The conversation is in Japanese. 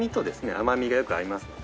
甘みがよく合いますので。